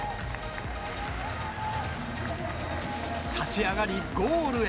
立ち上がり、ゴールへ。